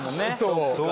そうか。